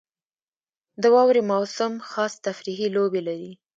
• د واورې موسم خاص تفریحي لوبې لري.